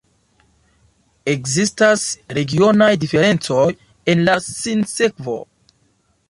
Ekzistas regionaj diferencoj en la sinsekvo.